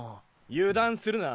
油断するな。